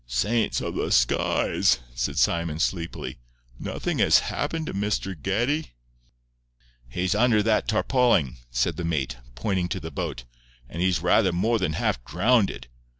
"Saints of the skies!" said Simon, sleepily, "nothing has happened to Mr. Geddie?" "He's under that tarpauling," said the mate, pointing to the boat, "and he's rather more than half drownded.